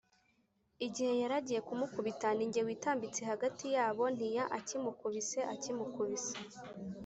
Igihe yaragiye kumukubita ni jye witambitse hagati yabo ntiya akimukubise akimukubise